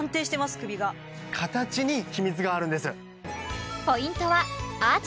首が形に秘密があるんです